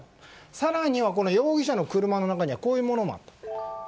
更には容疑者の車の中にはこういうものもあった。